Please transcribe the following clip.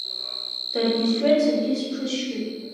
Даргьы сшьуеит, саргьы сҽысшьуеит…